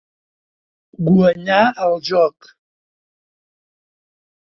Guanyar el joc.